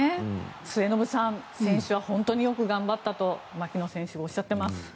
末延さん、選手は本当によく頑張ったと槙野選手がおっしゃっています。